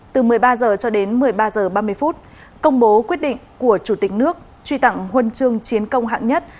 từ một mươi ba h cho đến một mươi ba h ba mươi công bố quyết định của chủ tịch nước truy tặng huân chương chiến công hạng nhất